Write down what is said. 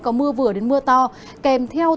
có mưa vừa đến mưa to kèm theo